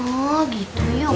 oh gitu yuk